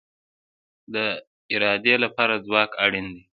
د ارادې لپاره ځواک اړین دی